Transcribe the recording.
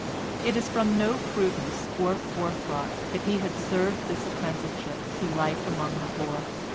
It was from no prudence or forethought that he had served this apprenticeship to life among the poor.